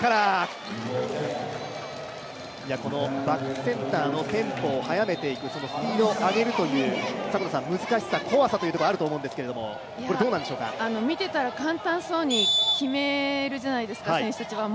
このバックセンターのスピードを上げるという難しさ、怖さがあると思うんですけど見ていたら簡単そうに決めるじゃないですか、選手たちは。